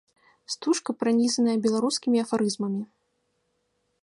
Стужка пранізаная беларускімі афарызмамі.